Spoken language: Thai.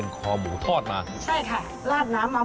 ลองดูนะคะ